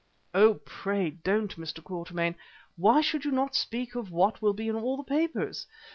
"Oh! pray don't, Mr. Quatermain. Why should you not speak of what will be in all the papers.